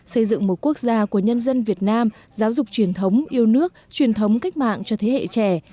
xây dựng một quốc gia của nhân dân việt nam giáo dục truyền thống yêu nước truyền thống cách mạng cho thế hệ trẻ